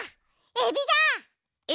エビだ！